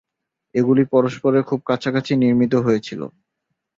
এগুলি পরস্পরের খুব কাছাকাছি নির্মিত হয়েছিল।